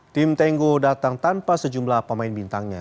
tim tenggo datang tanpa sejumlah pemain bintangnya